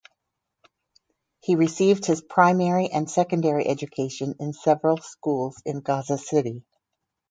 He received his primary and secondary education in several schools in Gaza City.